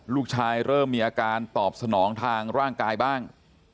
เริ่มมีอาการตอบสนองทางร่างกายบ้าง